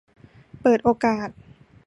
เปิดโอกาส